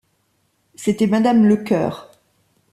C’était madame Lecœur.